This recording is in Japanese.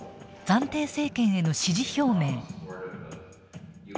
暫定政権への支持表明。